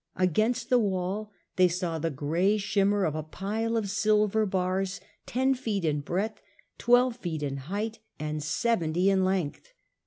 Against the wall they saw the gray shimmer of a pile of silver bars ten feet in breadth, twelve feet in height^ and seventy in length.